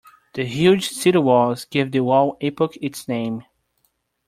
The huge city walls gave the wall epoch its name.